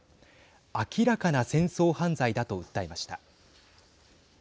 明らかな戦争犯罪だと訴えました。